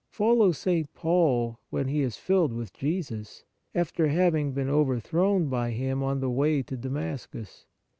Follow St. Paul when he is filled with Jesus, after having been over thrown by Him on the way to Damascus.